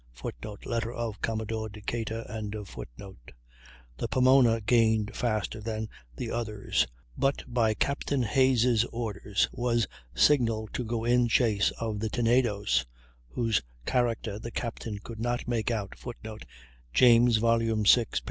[Footnote: Letter of Commodore Decatur.] The Pomona gained faster than the others, but by Capt. Hayes' orders was signalled to go in chase of the Tenedos, whose character the captain could not make out [Footnote: James, vi, 529.